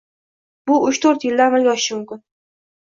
Bu uch-to'rt yilda amalga oshishi mumkin.